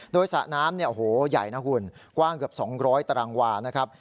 โดยสระน้ำเนี่ยโอ้โหใหญ่นะคุณกว้างเกือบ๒๐๐ตารางวานะครับ